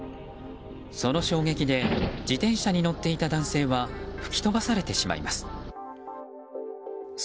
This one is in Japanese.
その衝撃で自転車に乗っていた男性は吹き飛ばされてしまいます。